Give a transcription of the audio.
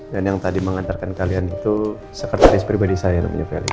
dan yang tadi mengantarkan kalian itu sekretaris pribadi saya namanya fahriz